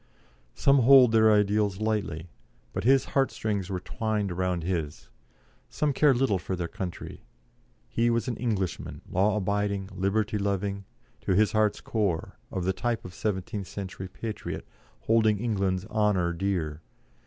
Some hold their ideals lightly, but his heart strings were twined round his; some care little for their country he was an Englishman, law abiding, liberty loving, to his heart's core, of the type of the seventeenth century patriot, holding England's honour dear.